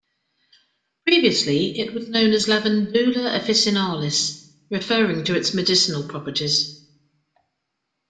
Previously, it was known as "Lavandula officinalis", referring to its medicinal properties.